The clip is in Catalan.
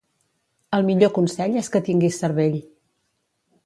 El millor consell és que tinguis cervell.